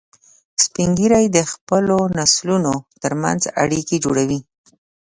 سپین ږیری د خپلو نسلونو تر منځ اړیکې جوړوي